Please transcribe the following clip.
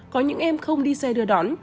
có những em không đi xe đưa đón